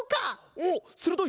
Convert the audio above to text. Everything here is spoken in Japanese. おっするどい！